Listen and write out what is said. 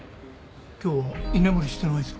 今日居眠りしてないぞ。